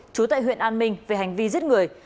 trú tại huyện an minh về hành vi giết người